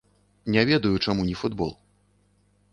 Не ведаю, чаму не футбол.